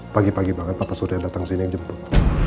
pagi pagi banget bapak surya datang sini jemput